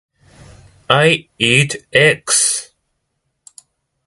I eat eggs.